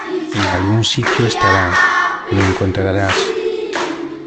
En algún sitio estará. Lo encontrarás .